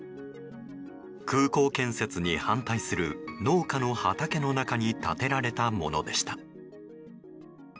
空港建設に反対する農家の畑の中に建てられたものでした。